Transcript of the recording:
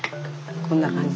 こんな感じ。